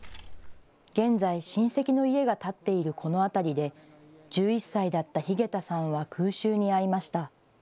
現在、親戚の家が建っているこの辺りで１１歳だった日下田さんは空襲に遭いました。